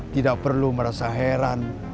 tidak perlu merasa heran